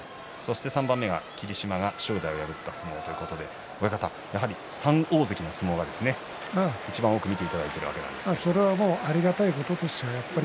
３番目が霧島が正代を破った相撲ということで親方、やはり３大関の相撲がいちばん多くそれはありがたいことですよ。